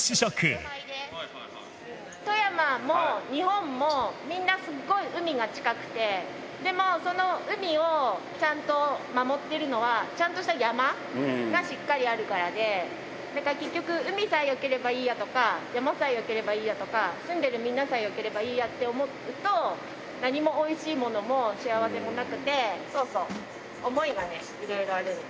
富山も日本もみんなすごい海が近くて、でもその海をちゃんと守ってるのは、ちゃんとした山がしっかりあるからで、だから結局、海さえよければいいやとか、山さえよければいいやとか、住んでるみんなさえよけりゃいいやと思うと、なにもおいしいものも幸せもなくて。